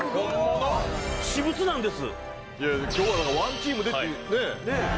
私物なんです。